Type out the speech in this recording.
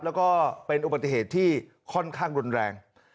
แล้วก็เป็นอุบัติเหตุที่ค่อนข้างรุนแรง